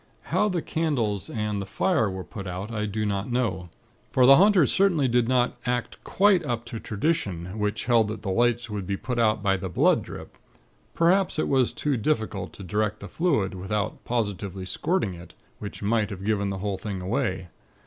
How the candles and the fire were put out, I do not know; for the haunters certainly did not act quite up to tradition, which held that the lights were put out by the 'blood drip.' Perhaps it was too difficult to direct the fluid, without positively squirting it, which might have given the whole thing away.